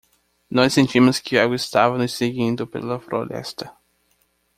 Nós sentimos que algo estava nos seguindo pela floresta.